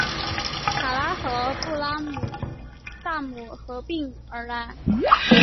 卡赫和布拉瑟姆合并而来。